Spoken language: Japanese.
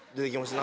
何？